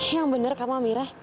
yang bener kamu amira